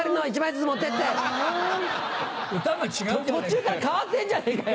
途中から変わってんじゃねえかよ。